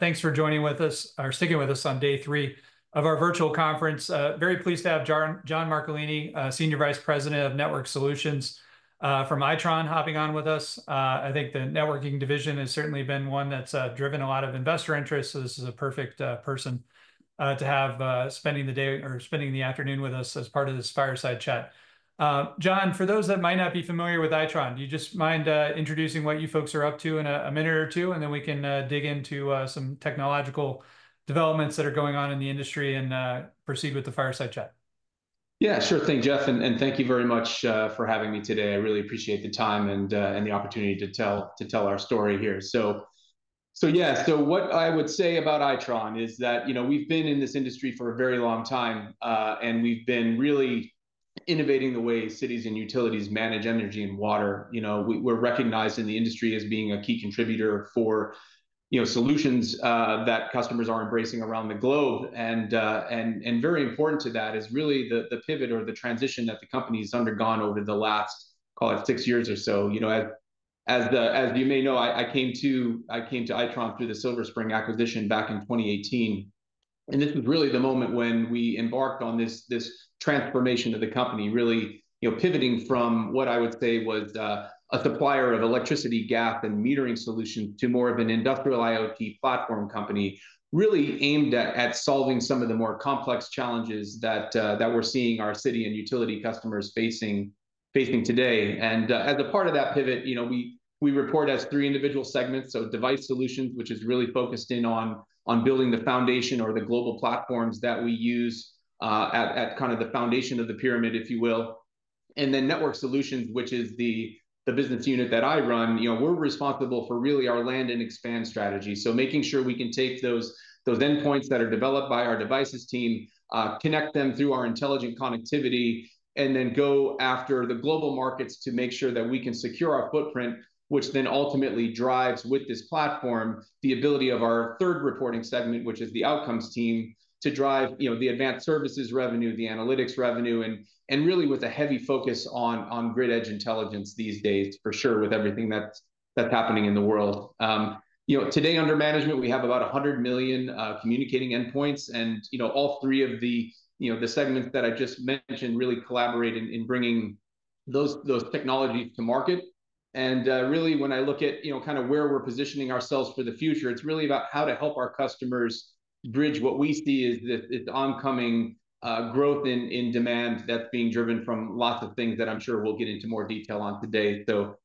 Thanks for joining with us, or sticking with us on day three of our virtual conference. Very pleased to have John Marcolini, Senior Vice President of Networked Solutions, from Itron hopping on with us. I think the networking division has certainly been one that's driven a lot of investor interest, so this is a perfect person to have spending the day or spending the afternoon with us as part of this fireside chat. John, for those that might not be familiar with Itron, do you just mind introducing what you folks are up to in a minute or two, and then we can dig into some technological developments that are going on in the industry, and proceed with the fireside chat? Yeah, sure thing, Jeff, and thank you very much for having me today. I really appreciate the time and the opportunity to tell our story here. So, yeah, what I would say about Itron is that, you know, we've been in this industry for a very long time, and we've been really innovating the way cities and utilities manage energy and water. You know, we're recognized in the industry as being a key contributor for, you know, solutions that customers are embracing around the globe. And very important to that is really the pivot or the transition that the company's undergone over the last, call it, six years or so. You know, as you may know, I came to Itron through the Silver Spring acquisition back in 2018, and this was really the moment when we embarked on this transformation of the company, really, you know, pivoting from what I would say was a supplier of electricity, gas, and metering solution to more of an industrial IoT platform company, really aimed at solving some of the more complex challenges that we're seeing our city and utility customers facing today. And as a part of that pivot, you know, we report as three individual segments, so Device Solutions, which is really focused in on building the foundation or the global platforms that we use at kind of the foundation of the pyramid, if you will. And then Networked Solutions, which is the business unit that I run, you know, we're responsible for really our land and expand strategy. So making sure we can take those endpoints that are developed by our devices team, connect them through our intelligent connectivity, and then go after the global markets to make sure that we can secure our footprint, which then ultimately drives, with this platform, the ability of our third reporting segment, which is the Outcomes team, to drive, you know, the advanced services revenue, the analytics revenue, and really with a heavy focus on grid edge intelligence these days, for sure, with everything that's happening in the world. You know, today, under management, we have about 100 million communicating endpoints and, you know, all three of the, you know, the segments that I just mentioned really collaborate in bringing those technologies to market. And really, when I look at, you know, kind of where we're positioning ourselves for the future, it's really about how to help our customers bridge what we see as the oncoming growth in demand that's being driven from lots of things that I'm sure we'll get into more detail on today. So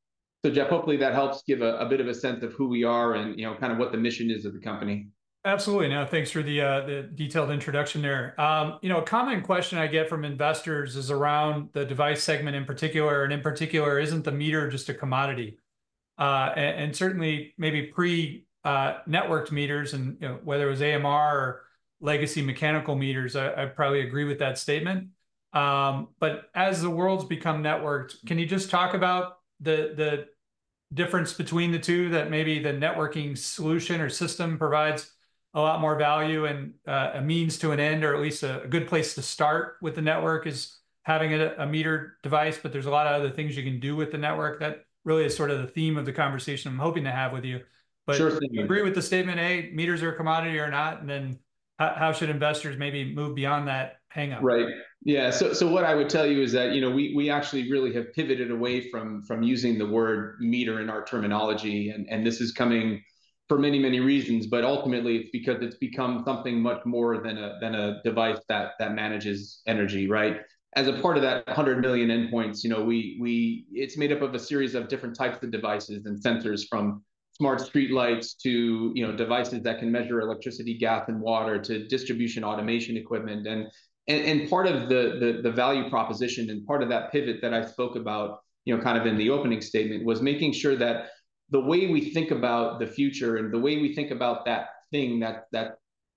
Jeff, hopefully that helps give a bit of a sense of who we are and, you know, kind of what the mission is of the company. Absolutely. No, thanks for the, the detailed introduction there. You know, a common question I get from investors is around the device segment in particular, and in particular, isn't the meter just a commodity? And certainly maybe pre-networked meters and, you know, whether it was AMR or legacy mechanical meters, I'd probably agree with that statement. But as the world's become networked, can you just talk about the difference between the two, that maybe the networking solution or system provides a lot more value and a means to an end, or at least a good place to start with the network is having a meter device, but there's a lot of other things you can do with the network? That really is sort of the theme of the conversation I'm hoping to have with you. Sure thing, yeah. Agree with the statement, A, meters are a commodity or not, and then how, how should investors maybe move beyond that hang-up? Right. Yeah, so what I would tell you is that, you know, we actually really have pivoted away from using the word meter in our terminology, and this is coming for many, many reasons. But ultimately, it's become something much more than a device that manages energy, right? As a part of that 100 million endpoints, you know, we—it's made up of a series of different types of devices and sensors, from smart streetlights to, you know, devices that can measure electricity, gas and water, to distribution automation equipment. And part of the value proposition and part of that pivot that I spoke about, you know, kind of in the opening statement, was making sure that the way we think about the future and the way we think about that thing that...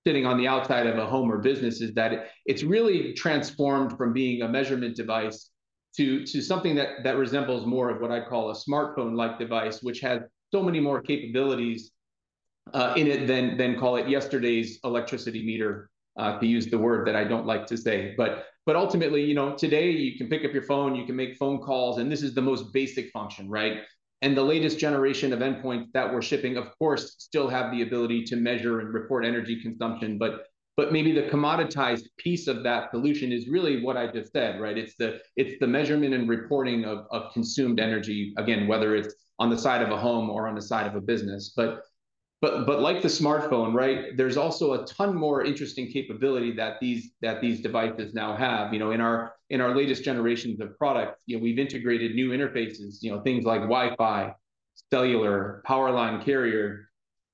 Sitting on the outside of a home or business, is that it? It's really transformed from being a measurement device to something that resembles more of what I call a smartphone-like device, which has so many more capabilities in it than call it yesterday's electricity meter, to use the word that I don't like to say. But ultimately, you know, today you can pick up your phone, you can make phone calls, and this is the most basic function, right? And the latest generation of endpoints that we're shipping, of course, still have the ability to measure and report energy consumption. But maybe the commoditized piece of that solution is really what I just said, right? It's the measurement and reporting of consumed energy, again, whether it's on the side of a home or on the side of a business. But like the smartphone, right, there's also a ton more interesting capability that these devices now have. You know, in our latest generations of products, you know, we've integrated new interfaces, you know, things like Wi-Fi, cellular, power line carrier.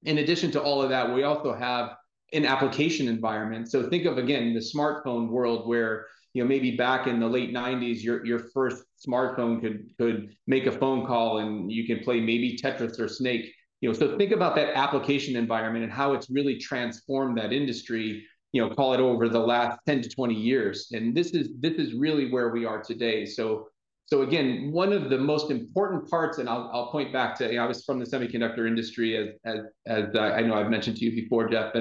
In addition to all of that, we also have an application environment. So think of, again, the smartphone world, where, you know, maybe back in the late 1990s, your first smartphone could make a phone call, and you could play maybe Tetris or Snake. You know, so think about that application environment and how it's really transformed that industry, you know, call it over the last 10 to 20 years, and this is really where we are today. So-... So again, one of the most important parts, and I'll point back to, you know, I was from the semiconductor industry, as I know I've mentioned to you before, Jeff.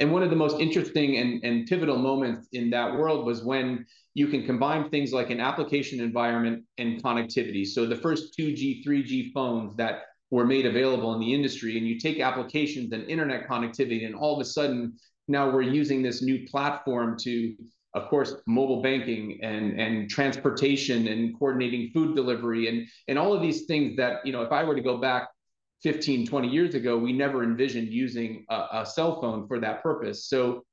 And one of the most interesting and pivotal moments in that world was when you can combine things like an application environment and connectivity. So the first 2G, 3G phones that were made available in the industry, and you take applications and internet connectivity, and all of a sudden now we're using this new platform to, of course, mobile banking, and transportation, and coordinating food delivery, and all of these things that, you know, if I were to go back 15, 20 years ago, we never envisioned using a cell phone for that purpose. So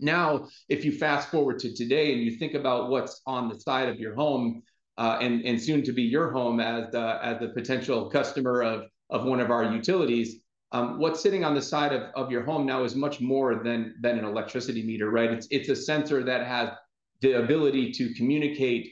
now, if you fast-forward to today and you think about what's on the side of your home, and soon to be your home as the potential customer of one of our utilities, what's sitting on the side of your home now is much more than an electricity meter, right? It's a sensor that has the ability to communicate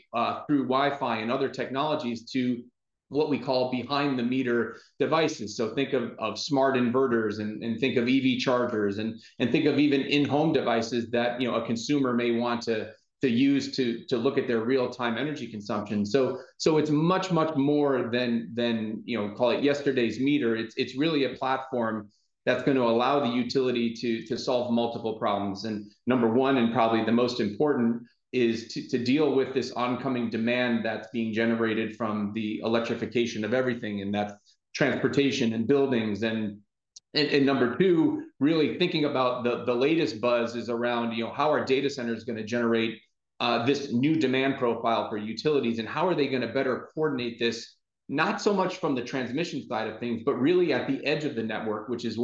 through Wi-Fi and other technologies to what we call behind-the-meter devices. So think of smart inverters, and think of EV chargers, and think of even in-home devices that, you know, a consumer may want to use to look at their real-time energy consumption. So it's much more than, you know, call it yesterday's meter. It's really a platform that's gonna allow the utility to solve multiple problems. Number one, and probably the most important, is to deal with this oncoming demand that's being generated from the electrification of everything, and that's transportation and buildings. And number two, really thinking about the latest buzz is around, you know, how are data centers gonna generate this new demand profile for utilities, and how are they gonna better coordinate this, not so much from the transmission side of things, but really at the edge of the network, which is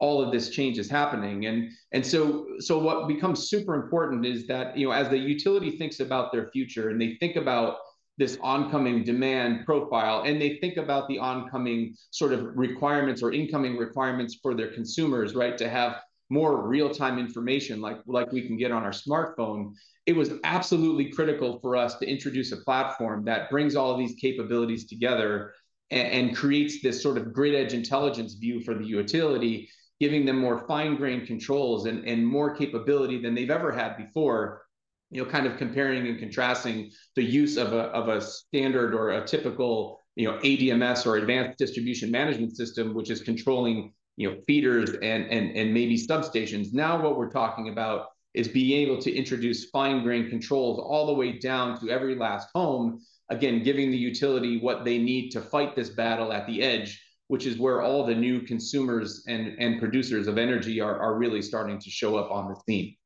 where all of this change is happening? So what becomes super important is that, you know, as the utility thinks about their future and they think about this oncoming demand profile, and they think about the oncoming sort of requirements or incoming requirements for their consumers, right, to have more real-time information like we can get on our smartphone, it was absolutely critical for us to introduce a platform that brings all of these capabilities together and creates this sort of grid edge intelligence view for the utility, giving them more fine-grained controls and more capability than they've ever had before. You know, kind of comparing and contrasting the use of a standard or a typical, you know, ADMS or advanced distribution management system, which is controlling, you know, feeders and maybe substations. Now what we're talking about is being able to introduce fine-grained controls all the way down to every last home, again, giving the utility what they need to fight this battle at the edge, which is where all the new consumers and producers of energy are really starting to show up on the scene.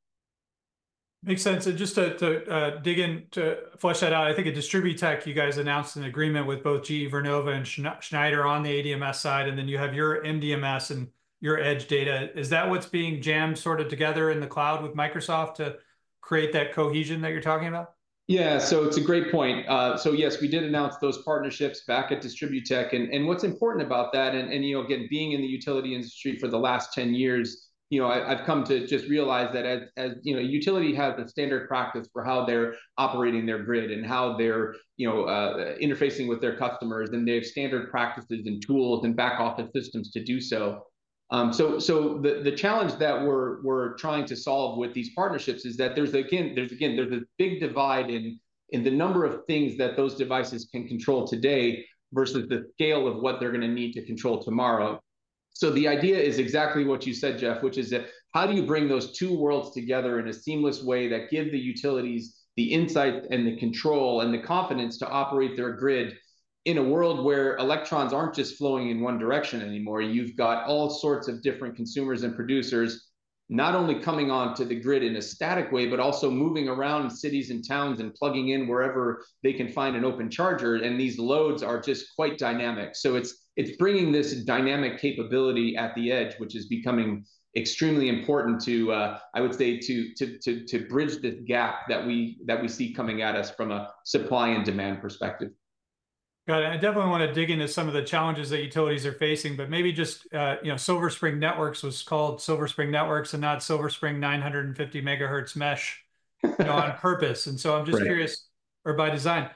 Makes sense. And just to, to dig in, to flesh that out, I think at DistribuTECH, you guys announced an agreement with both GE Vernova and Schneider on the ADMS side, and then you have your MDMS and your edge data. Is that what's being jammed sort of together in the cloud with Microsoft to create that cohesion that you're talking about? Yeah, so it's a great point. So yes, we did announce those partnerships back at DistribuTECH. And what's important about that, and, you know, again, being in the utility industry for the last 10 years, you know, I've come to just realize that as, you know, utility has a standard practice for how they're operating their grid and how they're, you know, interfacing with their customers, and they have standard practices and tools and back-office systems to do so. So, the challenge that we're trying to solve with these partnerships is that there's, again, there's a big divide in the number of things that those devices can control today versus the scale of what they're gonna need to control tomorrow. So the idea is exactly what you said, Jeff, which is that how do you bring those two worlds together in a seamless way that give the utilities the insight and the control and the confidence to operate their grid in a world where electrons aren't just flowing in one direction anymore? You've got all sorts of different consumers and producers, not only coming onto the grid in a static way, but also moving around cities and towns and plugging in wherever they can find an open charger, and these loads are just quite dynamic. So it's, it's bringing this dynamic capability at the edge, which is becoming extremely important, I would say, to bridge the gap that we see coming at us from a supply and demand perspective. Got it. I definitely wanna dig into some of the challenges that utilities are facing, but maybe just, you know, Silver Spring Networks was called Silver Spring Networks and not Silver Spring 915 MHz mesh, you know, on purpose, and so I'm just- Right... curious, or by design.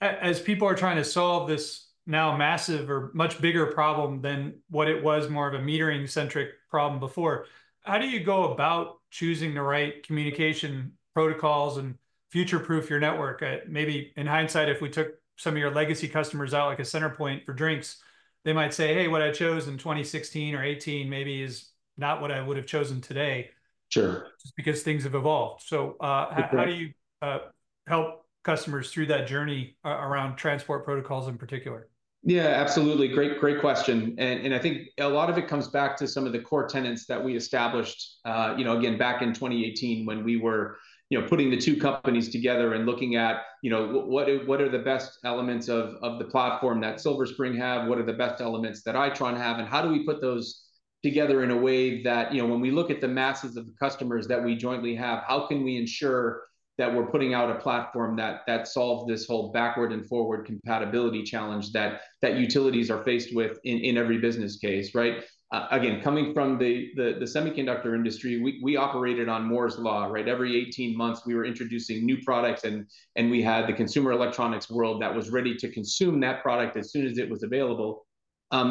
As people are trying to solve this now massive or much bigger problem than what it was more of a metering-centric problem before, how do you go about choosing the right communication protocols and future-proof your network? Maybe in hindsight, if we took some of your legacy customers out, like a CenterPoint for instance, they might say, "Hey, what I chose in 2016 or 2018 maybe is not what I would have chosen today- Sure... just because things have evolved." So, Exactly... how do you help customers through that journey around transport protocols in particular? Yeah, absolutely. Great, great question, and I think a lot of it comes back to some of the core tenets that we established, you know, again, back in 2018 when we were, you know, putting the two companies together and looking at, you know, what are, what are the best elements of the platform that Silver Spring have? What are the best elements that Itron have, and how do we put those together in a way that, you know, when we look at the masses of the customers that we jointly have, how can we ensure that we're putting out a platform that solves this whole backward and forward compatibility challenge that utilities are faced with in every business case, right? Again, coming from the semiconductor industry, we operated on Moore's Law, right? Every 18 months, we were introducing new products, and we had the consumer electronics world that was ready to consume that product as soon as it was available.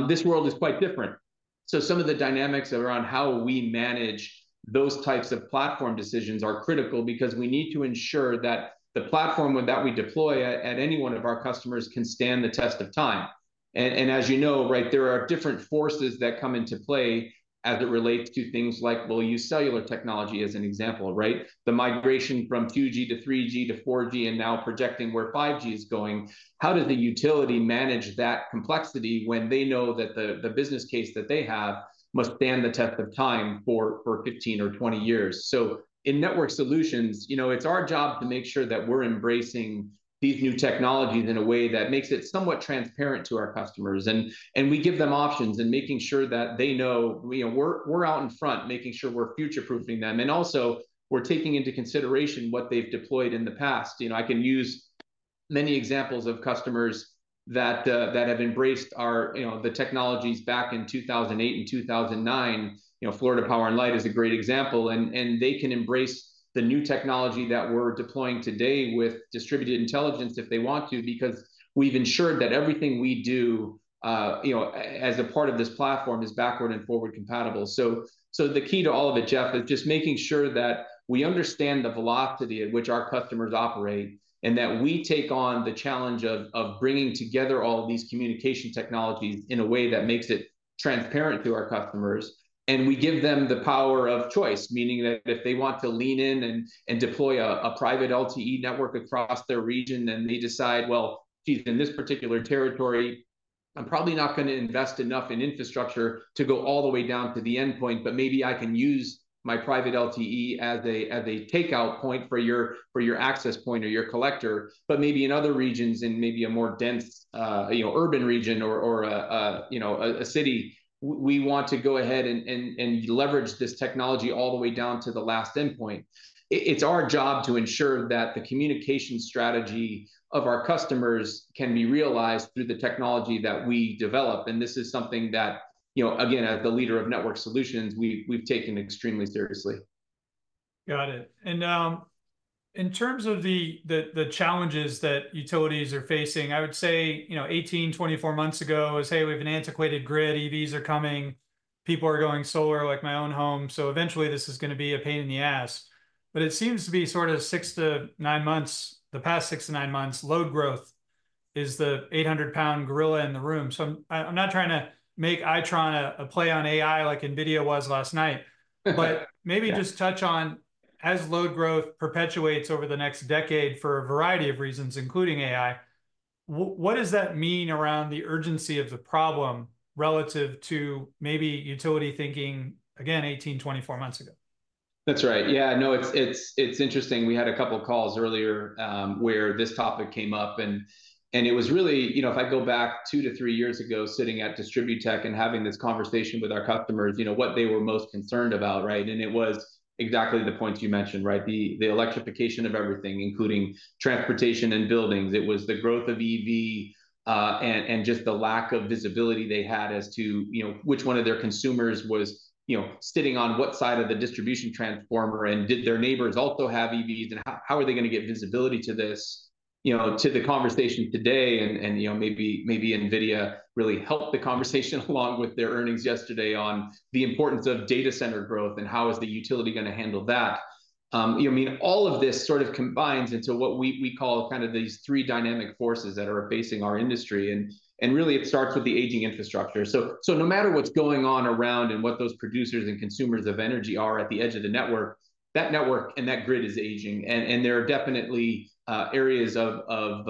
This world is quite different... So some of the dynamics around how we manage those types of platform decisions are critical because we need to ensure that the platform that we deploy at any one of our customers can stand the test of time. And as you know, right, there are different forces that come into play as it relates to things like, we'll use cellular technology as an example, right? The migration from 2G to 3G to 4G, and now projecting where 5G is going, how does the utility manage that complexity when they know that the business case that they have must stand the test of time for 15 or 20 years? So in Networked Solutions, you know, it's our job to make sure that we're embracing these new technologies in a way that makes it somewhat transparent to our customers, and we give them options, and making sure that they know, you know, we're out in front, making sure we're future-proofing them. And also, we're taking into consideration what they've deployed in the past. You know, I can use many examples of customers that have embraced our, you know, the technologies back in 2008 and 2009. You know, Florida Power & Light is a great example, and they can embrace the new technology that we're deploying today with distributed intelligence if they want to, because we've ensured that everything we do, you know, as a part of this platform, is backward and forward compatible. So, the key to all of it, Jeff, is just making sure that we understand the velocity at which our customers operate, and that we take on the challenge of bringing together all of these communication technologies in a way that makes it transparent to our customers. And we give them the power of choice, meaning that if they want to lean in and deploy a private LTE network across their region, then they decide, "Well, geez, in this particular territory, I'm probably not gonna invest enough in infrastructure to go all the way down to the endpoint, but maybe I can use my private LTE as a takeout point for your access point or your collector." But maybe in other regions and maybe a more dense, you know, urban region or a city, we want to go ahead and leverage this technology all the way down to the last endpoint. It's our job to ensure that the communication strategy of our customers can be realized through the technology that we develop, and this is something that, you know, again, as the leader of Networked Solutions, we've taken extremely seriously. Got it. And in terms of the challenges that utilities are facing, I would say, you know, 18 to 24 months ago, it was, "Hey, we have an antiquated grid. EVs are coming. People are going solar, like my own home, so eventually this is gonna be a pain in the ass." But it seems to be sort of six to nine months, the past six to nine months, load growth is the 800-pound gorilla in the room. So I'm not trying to make Itron a play on AI, like NVIDIA was last night- Yeah.... but maybe just touch on, as load growth perpetuates over the next decade for a variety of reasons, including AI, what, what does that mean around the urgency of the problem relative to maybe utility thinking, again, 18, 24 months ago? That's right. Yeah, no, it's interesting. We had a couple calls earlier, where this topic came up, and it was really... You know, if I go back two to three years ago, sitting at DistribuTECH and having this conversation with our customers, you know, what they were most concerned about, right? And it was exactly the points you mentioned, right? The electrification of everything, including transportation and buildings. It was the growth of EV, and just the lack of visibility they had as to, you know, which one of their consumers was, you know, sitting on what side of the distribution transformer, and did their neighbors also have EVs, and how are they gonna get visibility to this? You know, to the conversation today, and you know, maybe NVIDIA really helped the conversation along with their earnings yesterday on the importance of data center growth, and how is the utility gonna handle that? You know, I mean, all of this sort of combines into what we call kind of these three dynamic forces that are facing our industry, and really it starts with the aging infrastructure. So no matter what's going on around and what those producers and consumers of energy are at the edge of the network, that network and that grid is aging, and there are definitely areas of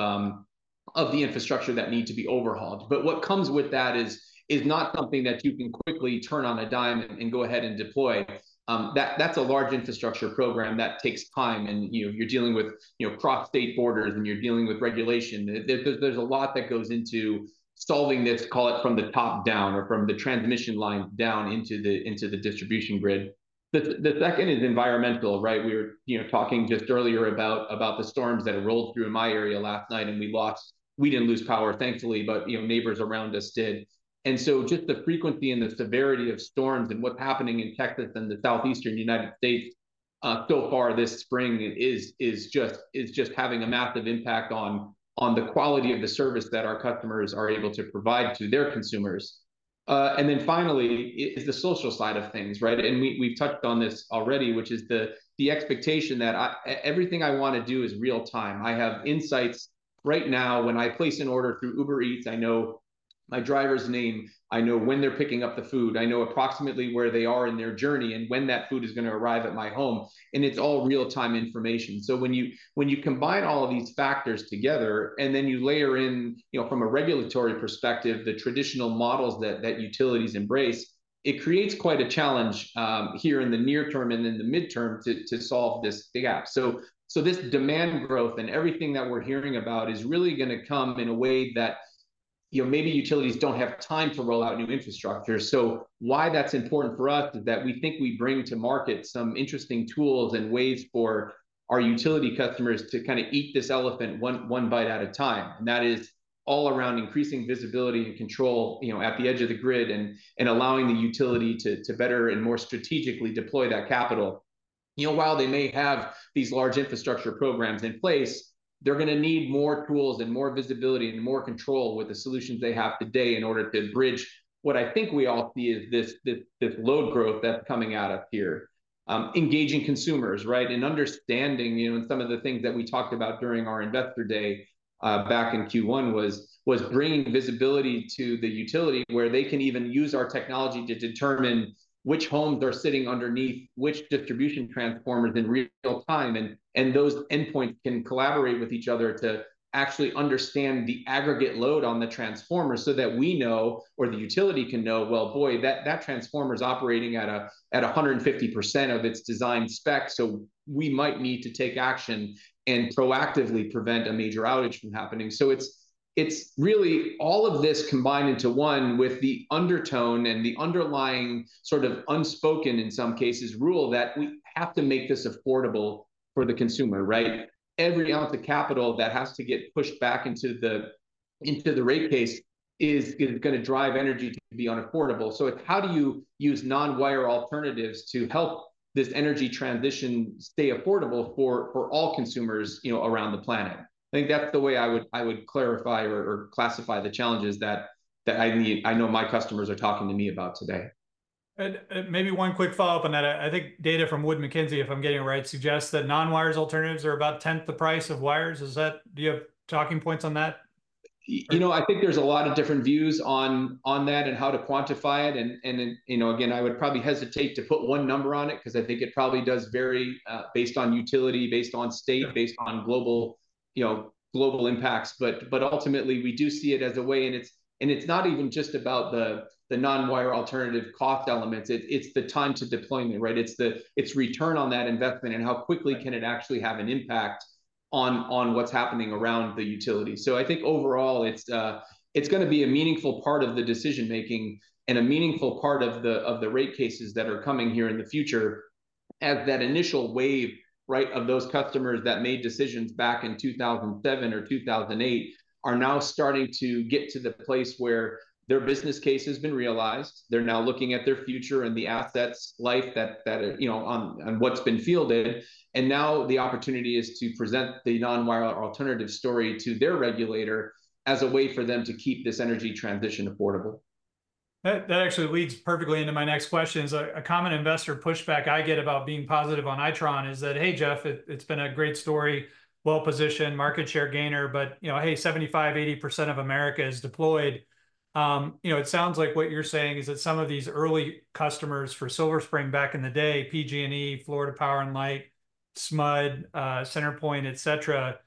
the infrastructure that need to be overhauled. But what comes with that is not something that you can quickly turn on a dime and go ahead and deploy. That's a large infrastructure program that takes time, and, you know, you're dealing with, you know, cross-state borders, and you're dealing with regulation. There's a lot that goes into solving this, call it, from the top down or from the transmission line down into the distribution grid. The second is environmental, right? We were, you know, talking just earlier about the storms that rolled through in my area last night, and we lost- we didn't lose power, thankfully, but, you know, neighbors around us did. And so just the frequency and the severity of storms and what's happening in Texas and the Southeastern United States so far this spring is just having a massive impact on the quality of the service that our customers are able to provide to their consumers. And then finally, is the social side of things, right? And we, we've touched on this already, which is the expectation that everything I wanna do is real time. I have insights right now. When I place an order through Uber Eats, I know my driver's name, I know when they're picking up the food, I know approximately where they are in their journey, and when that food is gonna arrive at my home, and it's all real-time information. So when you combine all of these factors together, and then you layer in, you know, from a regulatory perspective, the traditional models that utilities embrace, it creates quite a challenge here in the near term and in the midterm to solve this big gap. So, this demand growth and everything that we're hearing about is really gonna come in a way that, you know, maybe utilities don't have time to roll out new infrastructure. So why that's important for us is that we think we bring to market some interesting tools and ways for our utility customers to kinda eat this elephant one bite at a time, and that is all around increasing visibility and control, you know, at the edge of the grid, and allowing the utility to better and more strategically deploy that capital... you know, while they may have these large infrastructure programs in place, they're gonna need more tools and more visibility and more control with the solutions they have today in order to bridge what I think we all see is this load growth that's coming out of here. Engaging consumers, right? Understanding, you know, and some of the things that we talked about during our investor day back in Q1 was bringing visibility to the utility, where they can even use our technology to determine which homes are sitting underneath which distribution transformers in real time. And those endpoints can collaborate with each other to actually understand the aggregate load on the transformer so that we know, or the utility can know, "Well, boy, that transformer's operating at 150% of its design spec, so we might need to take action and proactively prevent a major outage from happening." So it's really all of this combined into one, with the undertone and the underlying sort of unspoken, in some cases, rule that we have to make this affordable for the consumer, right? Every ounce of capital that has to get pushed back into the rate case is gonna drive energy to be unaffordable. So it's how do you use non-wires alternatives to help this energy transition stay affordable for all consumers, you know, around the planet? I think that's the way I would clarify or classify the challenges that I know my customers are talking to me about today. And, maybe one quick follow-up on that. I think data from Wood Mackenzie, if I'm getting it right, suggests that non-wires alternatives are about a tenth the price of wires. Is that... Do you have talking points on that? You know, I think there's a lot of different views on that and how to quantify it. You know, again, I would probably hesitate to put one number on it, 'cause I think it probably does vary based on utility, based on state- Yeah... based on global, you know, global impacts. But, but ultimately, we do see it as a way, and it's, and it's not even just about the, the non-wire alternative cost elements. It, it's the time to deployment, right? It's the it's return on that investment, and how quickly can it actually have an impact on, on what's happening around the utility? So I think overall it's, it's gonna be a meaningful part of the decision-making and a meaningful part of the, of the rate cases that are coming here in the future, as that initial wave, right, of those customers that made decisions back in 2007 or 2008 are now starting to get to the place where their business case has been realized. They're now looking at their future and the asset's life that, that, you know, on, on what's been fielded. Now the opportunity is to present the non-wires alternative story to their regulator as a way for them to keep this energy transition affordable. That actually leads perfectly into my next question. So a common investor pushback I get about being positive on Itron is that, "Hey, Jeff, it's been a great story, well-positioned, market share gainer, but, you know, hey, 75% to 80% of America is deployed." You know, it sounds like what you're saying is that some of these early customers for Silver Spring back in the day, PG&E, Florida Power & Light, SMUD, CenterPoint, et cetera,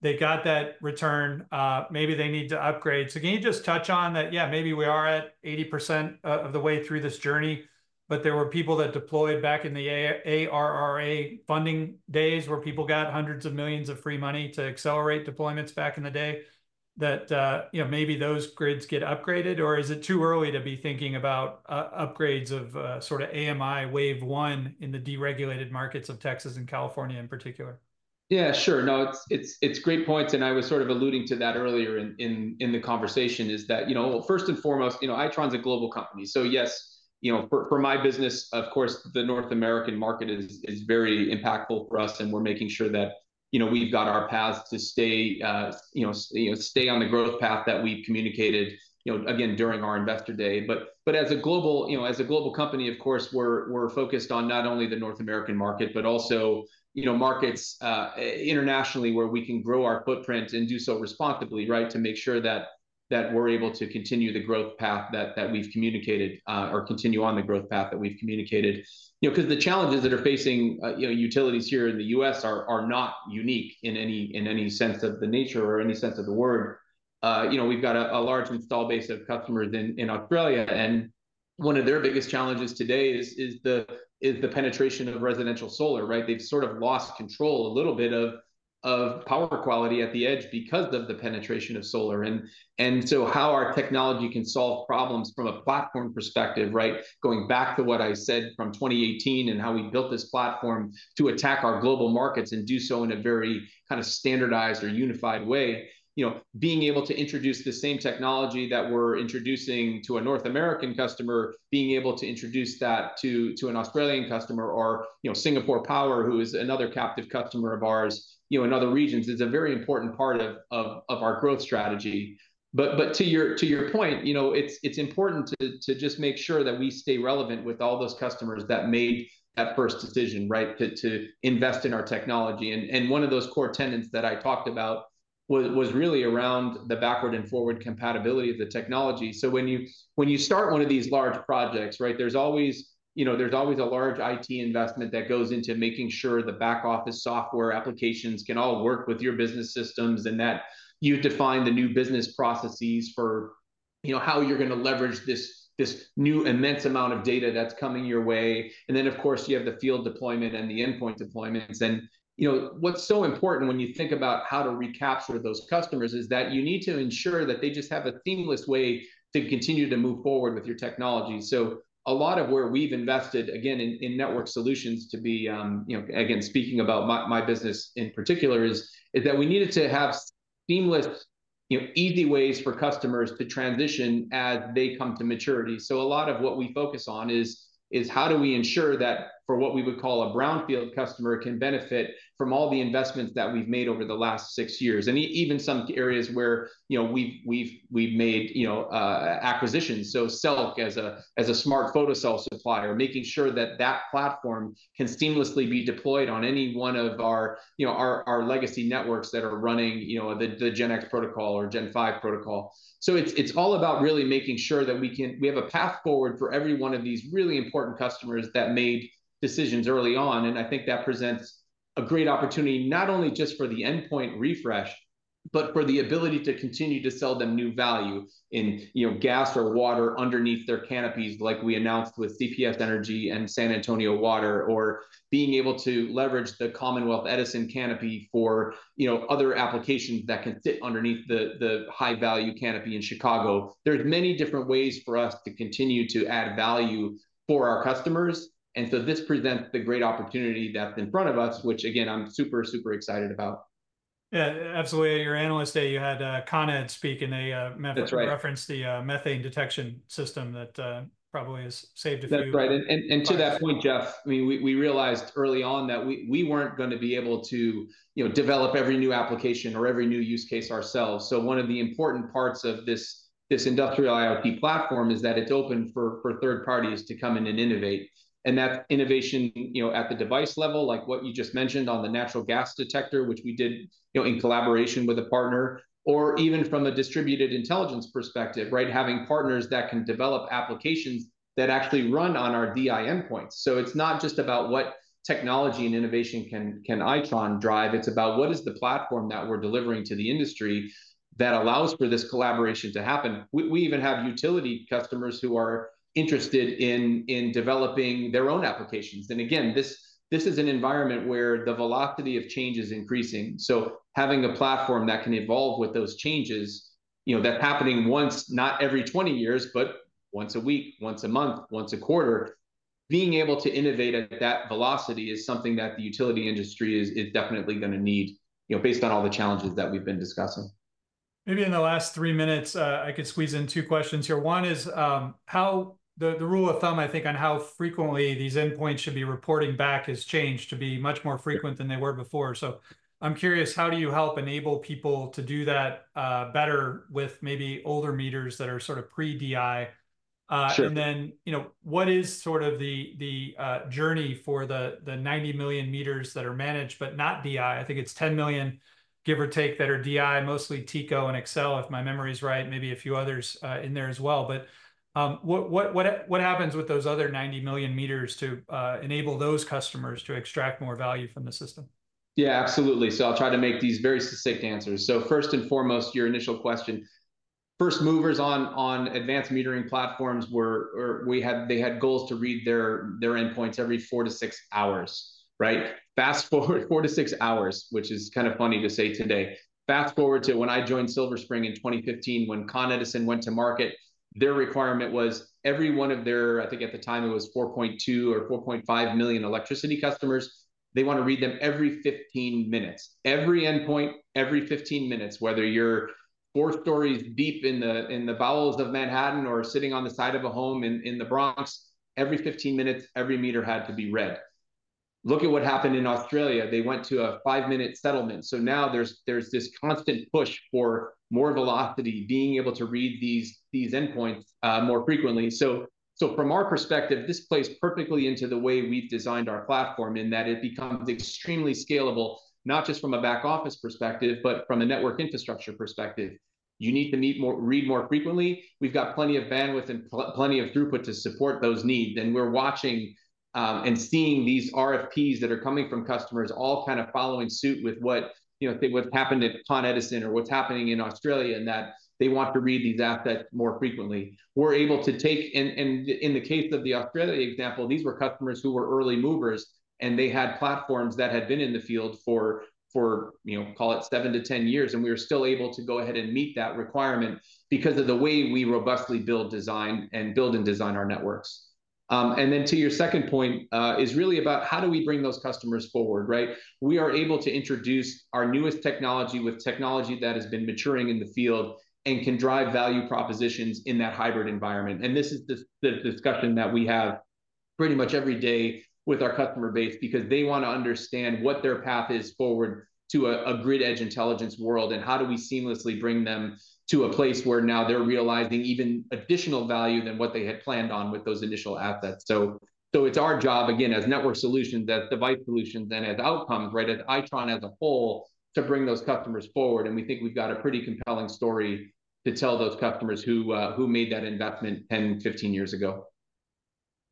they got that return. Maybe they need to upgrade. So can you just touch on that, yeah, maybe we are at 80% of the way through this journey, but there were people that deployed back in the ARRA funding days, where people got $hundreds of millions of free money to accelerate deployments back in the day, you know, maybe those grids get upgraded? Or is it too early to be thinking about upgrades of, sort of AMI wave one in the deregulated markets of Texas and California in particular? Yeah, sure. No, it's great points, and I was sort of alluding to that earlier in the conversation, is that, you know, first and foremost, you know, Itron's a global company. So yes, you know, for my business, of course, the North American market is very impactful for us, and we're making sure that, you know, we've got our paths to stay, you know, stay on the growth path that we've communicated, you know, again, during our Investor Day. But as a global company, of course, we're focused on not only the North American market, but also, you know, markets internationally, where we can grow our footprint and do so responsibly, right? To make sure that we're able to continue the growth path that we've communicated, or continue on the growth path that we've communicated. You know, 'cause the challenges that are facing you know, utilities here in the U.S. are not unique in any sense of the nature or any sense of the word. You know, we've got a large install base of customers in Australia, and one of their biggest challenges today is the penetration of residential solar, right? They've sort of lost control, a little bit, of power quality at the edge because of the penetration of solar. And so how our technology can solve problems from a platform perspective, right? Going back to what I said from 2018, and how we built this platform to attack our global markets and do so in a very kind of standardized or unified way. You know, being able to introduce the same technology that we're introducing to a North American customer, being able to introduce that to an Australian customer or, you know, Singapore Power, who is another captive customer of ours, you know, in other regions, is a very important part of our growth strategy. But to your point, you know, it's important to just make sure that we stay relevant with all those customers that made that first decision, right, to invest in our technology. And one of those core tenets that I talked about was really around the backward and forward compatibility of the technology. So when you, when you start one of these large projects, right, there's always, you know, there's always a large IT investment that goes into making sure the back office software applications can all work with your business systems, and that you define the new business processes for, you know, how you're gonna leverage this, this new immense amount of data that's coming your way. And then, of course, you have the field deployment and the endpoint deployments. And, you know, what's so important when you think about how to recapture those customers is that you need to ensure that they just have a seamless way to continue to move forward with your technology. So a lot of where we've invested, again, in, in Networked Solutions to be, you know, again, speaking about my, my business in particular, is, is that we needed to have seamless-... You know, easy ways for customers to transition as they come to maturity. So a lot of what we focus on is how do we ensure that for what we would call a brownfield customer can benefit from all the investments that we've made over the last six years, and even some areas where, you know, we've made, you know, acquisitions. So SELC as a smart photocell supplier, making sure that that platform can seamlessly be deployed on any one of our, you know, our legacy networks that are running, you know, the Gen4 protocol or Gen5 protocol. So it's all about really making sure that we have a path forward for every one of these really important customers that made decisions early on, and I think that presents a great opportunity, not only just for the endpoint refresh, but for the ability to continue to sell them new value in, you know, gas or water underneath their canopies, like we announced with CPS Energy and San Antonio Water, or being able to leverage the Commonwealth Edison canopy for, you know, other applications that can fit underneath the high-value canopy in Chicago. There's many different ways for us to continue to add value for our customers, and so this presents the great opportunity that's in front of us, which again, I'm super, super excited about. Yeah, absolutely. At your Analyst Day, you had Con Ed speak, and they That's right... referenced the, methane detection system that, probably has saved a few- That's right. lives. To that point, Jeff, I mean, we realized early on that we weren't gonna be able to, you know, develop every new application or every new use case ourselves. So one of the important parts of this Industrial IoT Platform is that it's open for third parties to come in and innovate, and that innovation, you know, at the device level, like what you just mentioned on the natural gas detector, which we did, you know, in collaboration with a partner, or even from a distributed intelligence perspective, right? Having partners that can develop applications that actually run on our DI endpoints. So it's not just about what technology and innovation can Itron drive, it's about what is the platform that we're delivering to the industry that allows for this collaboration to happen. We even have utility customers who are interested in developing their own applications. And again, this is an environment where the velocity of change is increasing, so having a platform that can evolve with those changes, you know, that's happening once, not every 20 years, but once a week, once a month, once a quarter. Being able to innovate at that velocity is something that the utility industry is definitely gonna need, you know, based on all the challenges that we've been discussing. Maybe in the last three minutes, I could squeeze in two questions here. One is, the rule of thumb, I think, on how frequently these endpoints should be reporting back has changed to be much more frequent than they were before. So I'm curious, how do you help enable people to do that, better with maybe older meters that are sort of pre-DI, Sure. and then, you know, what is sort of the journey for the 90 million meters that are managed but not DI? I think it's 10 million, give or take, that are DI, mostly TECO and Xcel, if my memory's right, maybe a few others in there as well. But what happens with those other 90 million meters to enable those customers to extract more value from the system? Yeah, absolutely. So I'll try to make these very succinct answers. So first and foremost, your initial question, first movers on advanced metering platforms were or we had they had goals to read their endpoints every four to six hours, right? Fast-forward four to six hours, which is kind of funny to say today, fast-forward to when I joined Silver Spring in 2015, when Con Edison went to market, their requirement was every one of their, I think at the time it was 4.2 or 4.5 million electricity customers, they want to read them every 15 minutes. Every endpoint, every 15 minutes, whether you're four stories deep in the bowels of Manhattan or sitting on the side of a home in the Bronx, every 15 minutes, every meter had to be read. Look at what happened in Australia. They went to a five-minute settlement, so now there's this constant push for more velocity, being able to read these endpoints more frequently. So from our perspective, this plays perfectly into the way we've designed our platform, in that it becomes extremely scalable, not just from a back office perspective, but from a network infrastructure perspective. You need to read more frequently, we've got plenty of bandwidth and plenty of throughput to support those needs, and we're watching and seeing these RFPs that are coming from customers all kind of following suit with what, you know, with what's happened at Con Edison or what's happening in Australia, and that they want to read these assets more frequently. We're able to take... In the case of the Australia example, these were customers who were early movers, and they had platforms that had been in the field for, for, you know, call it seven to 10 years, and we were still able to go ahead and meet that requirement because of the way we robustly build design, and build and design our networks. And then to your second point, is really about how do we bring those customers forward, right? We are able to introduce our newest technology with technology that has been maturing in the field and can drive value propositions in that hybrid environment, and this is the discussion that we have pretty much every day with our customer base, because they wanna understand what their path is forward to a grid edge intelligence world, and how do we seamlessly bring them to a place where now they're realizing even additional value than what they had planned on with those initial assets? So it's our job, again, as Networked Solutions, that Device Solutions, then as Outcomes, right, at Itron as a whole, to bring those customers forward, and we think we've got a pretty compelling story to tell those customers who who made that investment 10, 15 years ago.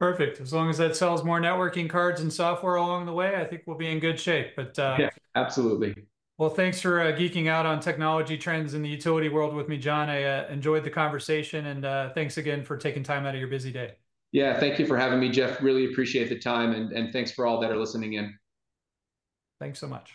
Perfect. As long as that sells more networking cards and software along the way, I think we'll be in good shape. But, Yeah, absolutely. Well, thanks for geeking out on technology trends in the utility world with me, John. I enjoyed the conversation, and thanks again for taking time out of your busy day. Yeah, thank you for having me, Jeff. Really appreciate the time, and thanks for all that are listening in. Thanks so much.